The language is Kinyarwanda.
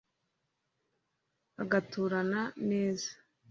agaturana neza